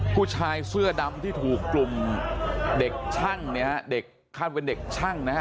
ผู้ชายเสื้อดำที่ถูกกลุ่มเด็กช่างเนี่ยฮะเด็กคาดว่าเป็นเด็กช่างนะฮะ